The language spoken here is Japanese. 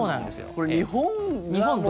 これ、日本が。